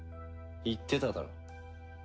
言ってただろ。